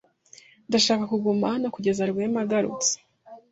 Ndashaka kuguma hano kugeza Rwema agarutse.